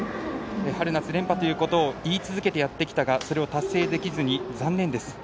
春夏連覇ということをやってきたがそれを達成できずに残念です。